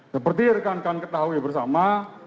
seperti rekan rekan ketahui bersama